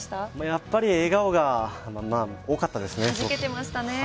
やっぱり笑顔が多かったですね。